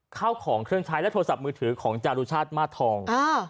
เข้าของเครื่องใช้และโทรศัพท์มือถือของจารุชาติมาสทอง